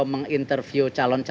mas ini kan ada mapnya